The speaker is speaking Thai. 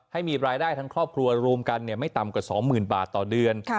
ให้มีรายได้ทั้งครอบครัวรวมกันไม่ต่ำกว่า๒๐๐๐บาทต่อเดือน